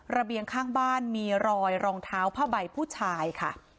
ระเบียงข้างบ้านมีรอยรองเท้าผ้าใบผู้ชายค่ะ